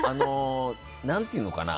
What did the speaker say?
何て言うのかな。